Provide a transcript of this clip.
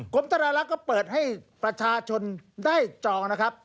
ธนารักษ์ก็เปิดให้ประชาชนได้จองนะครับ